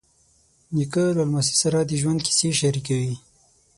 نیکه له لمسي سره د ژوند کیسې شریکوي.